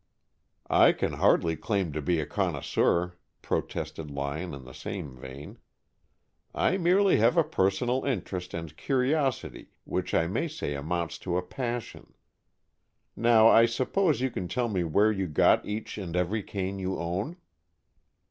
"I can hardly claim to be a connoisseur," protested Lyon in the same vein. "I merely have a personal interest and curiosity which I may say amounts to a passion. Now, I suppose you can tell me where you got each and every cane you own."